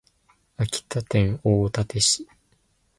秋田県大館市